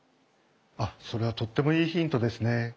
あっそれはとってもいいヒントですね。